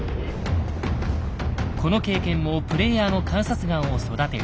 この経験もプレイヤーの観察眼を育てる。